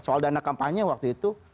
soal dana kampanye waktu itu